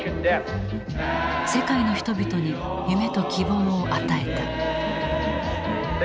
世界の人々に夢と希望を与えた。